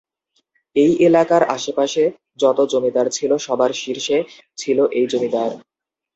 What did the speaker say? এই এলাকার আশেপাশে যত জমিদার ছিল সবার শীর্ষে ছিল এই জমিদার।